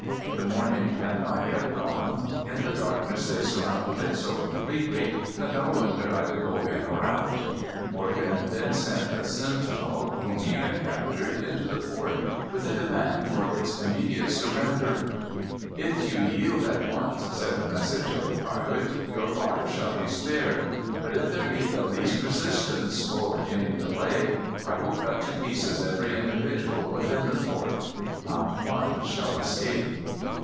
The morning had not yet dawned. In the darkness they surrounded it so completely that no one could either go in or out. Morgan then sent the sentinel, whom he had captured, into the fort, with a demand for its immediate surrender. "If you yield at once," said the message of the pirate, "your lives shall be spared. But if there be the least resistance, or any delay, I will cut to pieces every individual within the fort. Not one shall escape."